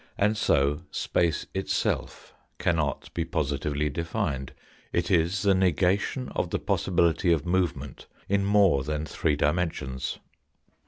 And so space itself cannot be positively defined. It is the negation of the possibility of movement in more than three dimensions.